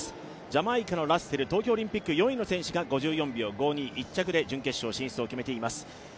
ジャマイカのラッセル東京オリンピック４位の選手５４秒５２１着で準決勝進出を決めています。